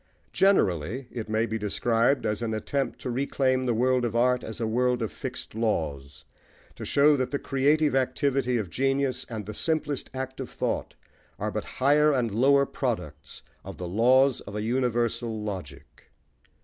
Generally, it may be described as an attempt to reclaim the world of art as a world of fixed laws, to show that the creative activity of genius and the simplest act of thought are but higher and lower products of the laws of a universal logic.